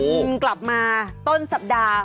คุณกลับมาต้นสัปดาห์